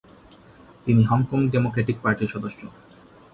তিনি Hong Kong democratic পার্টির সদস্য।